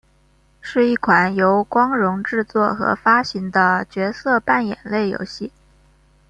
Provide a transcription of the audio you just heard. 是一款由光荣制作和发行的角色扮演类游戏。